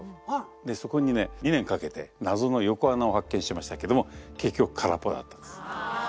でそこにね２年かけて謎の横穴を発見しましたけども結局空っぽだったんです。